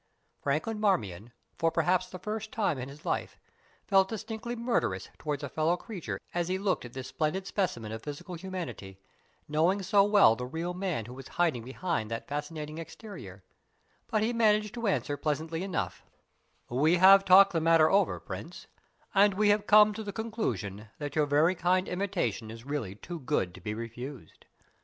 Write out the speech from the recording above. Franklin Marmion, for perhaps the first time in his life, felt distinctly murderous towards a fellow creature as he looked at this splendid specimen of physical humanity, knowing so well the real man who was hiding behind that fascinating exterior; but he managed to answer pleasantly enough: "We have talked the matter over, Prince, and we have come to the conclusion that your very kind invitation is really too good to be refused.